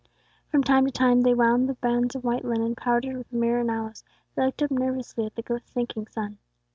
From time to time as they wound the bands of white linen, powdered with myrrh and aloes, they glanced up nervously at the sinking sun.